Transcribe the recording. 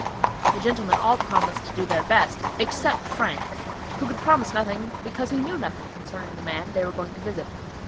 The gentlemen all promised to do their best, except Frank, who could promise nothing, because he knew nothing concerning the man they were going to visit.